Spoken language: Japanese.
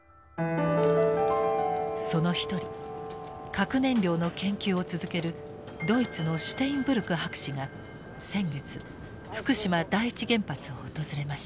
その一人核燃料の研究を続けるドイツのシュテインブルク博士が先月福島第一原発を訪れました。